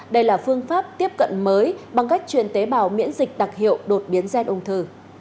đây là phương pháp tiếp cận mới bằng cách truyền tế bào miễn dịch đặc hiệu đột biến gen ung thư